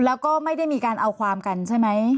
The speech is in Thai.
แล้วก็ไม่ได้มีการเอาความกันใช่ไหม